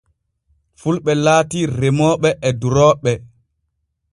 Fulɓe laati remooɓe e durooɓe.